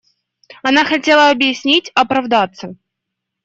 Она хотела объяснить, оправдаться.